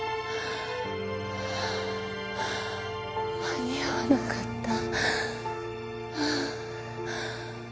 間に合わなかった。